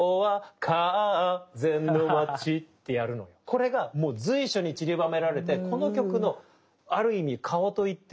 これがもう随所にちりばめられてこの曲のある意味顔と言っていい技なの。